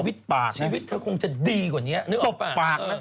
มันจะดีกว่านี้นึกออกป่ะ